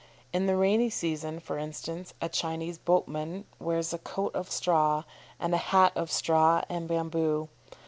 In the rainy season, for instance, a Chinese boatman wears a coat of straw, and a hat of straw and bamboo.